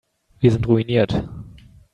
Wir sind ruiniert.